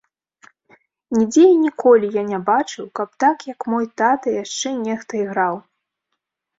Нідзе і ніколі я не бачыў, каб так, як мой тата, яшчэ нехта іграў.